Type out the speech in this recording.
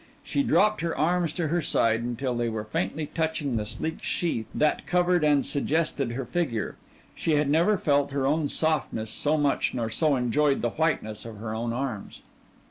She dropped her arms to her side until they were faintly touching the sleek sheath that covered and suggested her figure. She had never felt her own softness so much nor so enjoyed the whiteness of her own arms.